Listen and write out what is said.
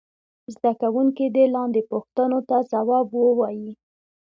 زده کوونکي دې لاندې پوښتنو ته ځواب ووايي.